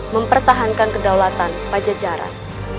mempertahankan kedaulatan pajajaran